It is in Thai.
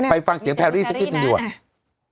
ไปฟังเสียงแพรรี่สิหน่อยดีกว่า